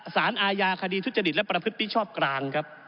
สารอายาคดีทุจจริตและประพฤทธิ์บิชชอบกลาง